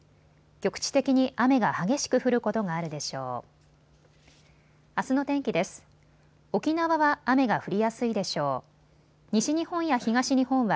局地的に雨が激しく降ることがあるでしょう。